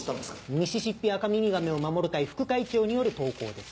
「ミシシッピアカミミガメを守る会副会長」による投稿です。